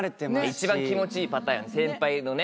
一番気持ちいいパターン先輩のね